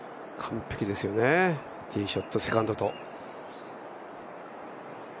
完璧ですよね、ティーショット、セカンドと。